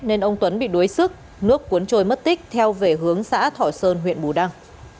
nên ông tuấn bị đuối sức nước cuốn trôi mất tích theo về hướng xã thọ sơn huyện bù đăng